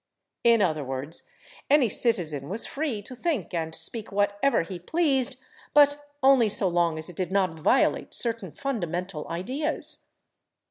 In other words, any citizen was free to think and speak whatever he pleased—but only so long as it did not violate certain fundamental ideas.